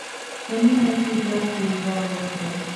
په مینه یې زیات ټینګار وکړ.